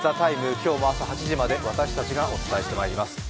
今日も朝８時まで私たちがお伝えしてまいります